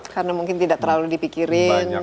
karena mungkin tidak terlalu dipikirin